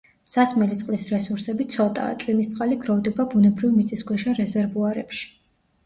სასმელი წყლის რესურსები ცოტაა, წვიმის წყალი გროვდება ბუნებრივ მიწისქვეშა რეზერვუარებში.